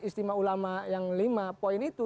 istimewa ulama yang lima poin itu